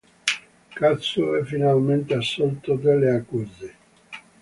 Kazuo è finalmente assolto dalle accuse.